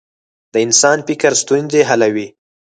د انسان فکر ستونزې حلوي.